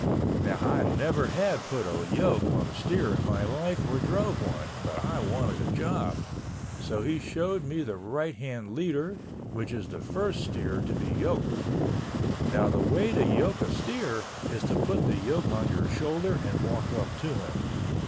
Now I never had put a yoke on a steer in my life, or drove one, but I wanted a job, so he showed me the right hand leader, which is the first steer to be yoked. Now the way to yoke a steer is to put the yoke on your shoulder and walk up to him.